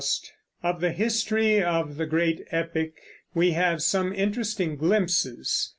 Of the history of the great epic we have some interesting glimpses.